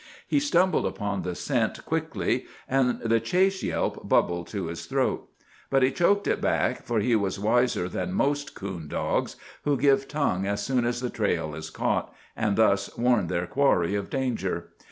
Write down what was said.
He stumbled upon the scent quickly, and the chase yelp bubbled to his throat. But he choked it back, for he was wiser than most coon dogs, who give tongue as soon as the trail is caught, and thus warn their quarry of danger.